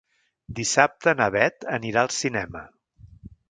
Dissabte na Beth anirà al cinema.